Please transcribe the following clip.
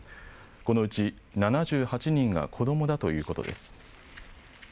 このうち７８人が子どもだということです。